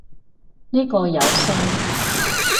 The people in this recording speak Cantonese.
呢個有聲